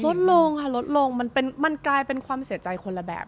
ลดลงค่ะลดลงมันกลายเป็นความเสียใจคนละแบบ